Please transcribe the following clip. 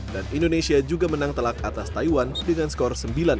dan indonesia juga menang telak atas taiwan dengan skor sembilan